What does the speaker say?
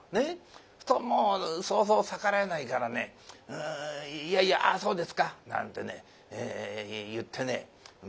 そうするともうそうそう逆らえないからね「いやいやそうですか」なんてね言ってね「待った」するわけですよ。